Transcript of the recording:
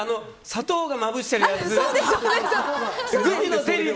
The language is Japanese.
砂糖がまぶしてあるやつ！